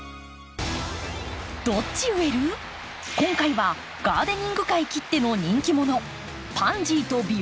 今回はガーデニング界きっての人気者パンジーとビオラの競演です。